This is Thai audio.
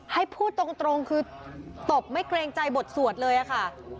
ให้พูดตรงคือตบไม่เกรงใจบทสวดเลยอะค่ะ